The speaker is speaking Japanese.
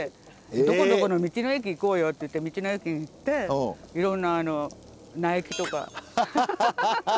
「どこどこの道の駅行こうよ」って言って道の駅行っていろんな苗木とか。